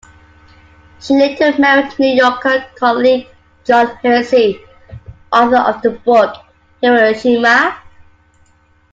She later married "New Yorker" colleague John Hersey, author of the book "Hiroshima".